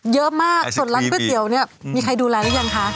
เยอะมากส่วนรังเฮ้อเทียวเนี่ยมีใครดูลาอย่าง